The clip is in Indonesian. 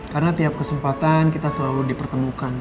karena tiap kesempatan kita selalu dipertemukan